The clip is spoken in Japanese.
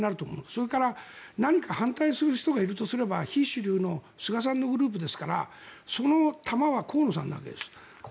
それから何か反対する人がいるとすれば非主流の菅さんのグループですからそれは河野さんなわけです。